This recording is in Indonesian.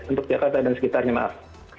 untuk jakarta dan sekitarnya maaf